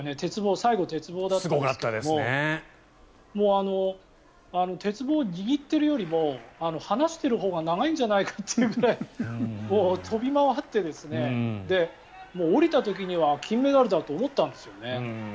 最後、鉄棒だったんですけれども鉄棒、握ってるよりも離してるほうが長いんじゃないかというぐらい飛び回って下りた時には金メダルだと思ったんですよね。